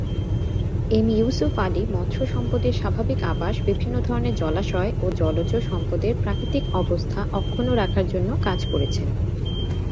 M Yusuf Ali মৎস্য সম্পদের স্বাভাবিক আবাস, বিভিন্ন ধরনের জলাশয় ও জলজ সম্পদের প্রাকৃতিক অবস্থা অক্ষুণ্ণ রাখার জন্য কাজ করেছেন।